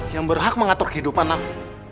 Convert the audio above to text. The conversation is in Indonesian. yang berhak mengatur kehidupan aku